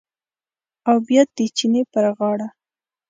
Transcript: او بیا د چینې پر هغه غاړه